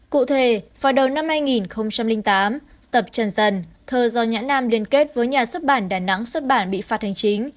cụ thể vào đầu năm hai nghìn tám tập trần thơ do nhãn nam liên kết với nhà xuất bản đà nẵng xuất bản bị phạt hành chính